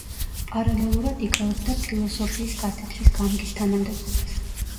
პარალელურად იკავებდა ფილოსოფიის კათედრის გამგის თანამდებობას.